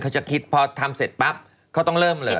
จะคิดพอทำเสร็จปั๊บเขาต้องเริ่มเลย